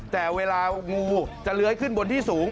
แต่เวลางูจะเลื้อยขึ้นบนที่สูง